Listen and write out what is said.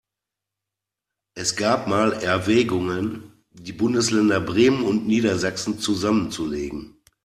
Es gab mal Erwägungen, die Bundesländer Bremen und Niedersachsen zusammenzulegen.